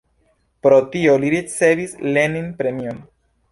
Pro tio li ricevis Lenin-premion.